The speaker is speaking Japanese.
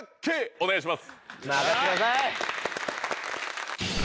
お願いします